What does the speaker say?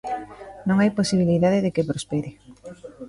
"Non hai posibilidade de que prospere".